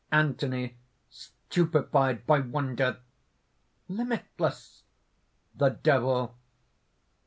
ANTHONY (stupefied by wonder): "Limitless!" THE DEVIL.